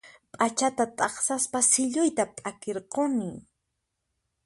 P'achata t'aqsaspa silluyta p'akirqukuni